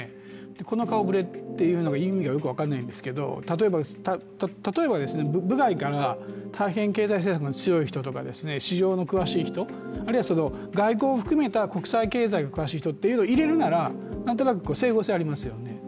この顔ぶれというのが意味がよく分からないんですが例えば部外から大変経済政策に強い人とか市場に詳しい人、あるいは外交を含めた国際経済に詳しい人を入れるなら、なんとなく整合性ありますよね。